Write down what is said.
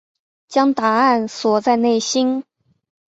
将答案锁在内心